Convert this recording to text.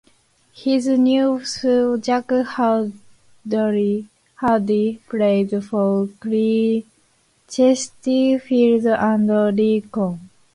His nephew Jack Hardy, played for Chesterfield and Lincoln.